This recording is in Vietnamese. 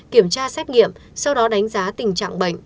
kiểm tra xét nghiệm sau đó đánh giá tình trạng bệnh